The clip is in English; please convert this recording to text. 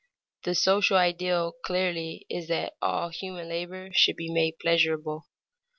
The social ideal clearly is that all human labor should be made pleasurable.